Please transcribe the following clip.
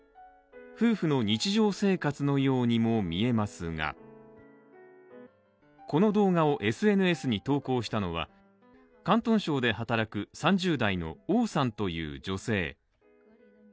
夫婦の日常生活のようにも見えますがこの動画をＳＮＳに投稿したのは、広東省で働く３０代の王さんという女性。